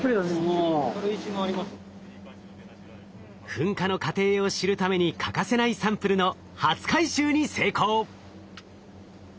噴火の過程を知るために欠かせないサンプルの初回収に成功。